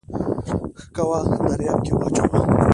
ښه کوه دریاب کې واچوه